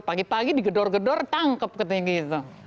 pagi pagi digedor gedor tangkep gitu